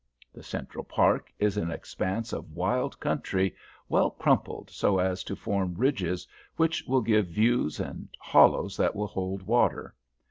The Central Park is an expanse of wild country, well crumpled so as to form ridges which will give views and hollows that will hold water.